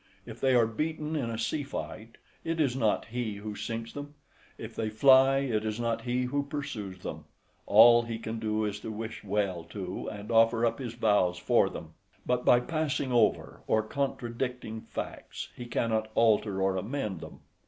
If they are beaten in a sea fight, it is not he who sinks them; if they fly, it is not he who pursues them; all he can do is to wish well to, and offer up his vows for them; but by passing over or contradicting facts, he cannot alter or amend them.